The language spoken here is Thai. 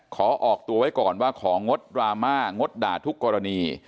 ขอออกตัวไว้ก่อนว่าของงดดราม่างดด่าทุกกรณี